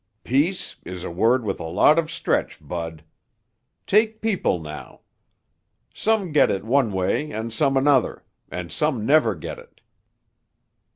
"'Peace' is a word with a lot of stretch, Bud. Take people now. Some get it one way and some another, and some never get it.